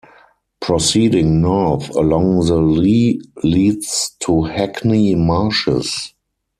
Proceeding north along the Lea leads to Hackney Marshes.